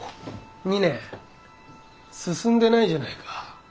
２年進んでないじゃないか。